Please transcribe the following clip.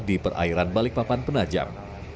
di perairan balikpapan penajam